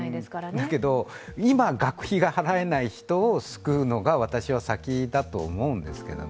だけど今学費が払えない人を救うのが私は先だと思うんですけどね。